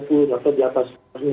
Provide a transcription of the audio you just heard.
terus mencapainya suatu jalan berintim